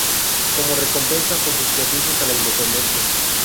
Como recompensa por sus servicios a la independencia.